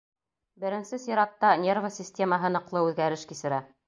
Беренсе сиратта нервы системаһы ныҡлы үҙгәреш кисерә.